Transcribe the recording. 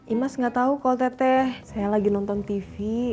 imaz gak tau kalau teteh saya lagi nonton tv